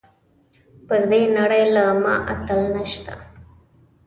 پر دې نړۍ له ما اتل نشته .